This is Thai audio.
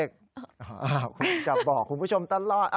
คุณจะบอกคุณผู้ชมตลอด